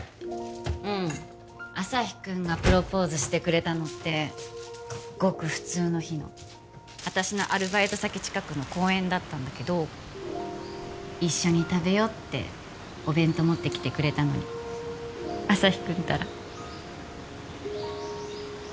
うん旭君がプロポーズしてくれたのってごく普通の日の私のアルバイト先近くの公園だったんだけど一緒に食べようってお弁当持ってきてくれたのに旭君ったら